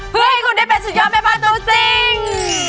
เพื่อให้คุณได้เป็นสุดยอดเผนปลาโตจริง